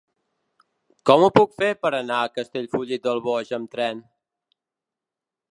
Com ho puc fer per anar a Castellfollit del Boix amb tren?